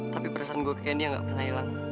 tapi perasaan gue ke candy yang nggak pernah hilang